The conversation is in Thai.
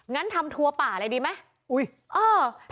งั้นทำทัวร์ป่าเลยดีไหม